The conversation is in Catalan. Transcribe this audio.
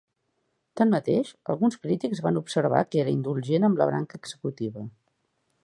Tanmateix, alguns crítics van observar que era indulgent amb la branca executiva.